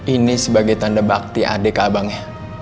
ini sebagai tanda bakti adik abangnya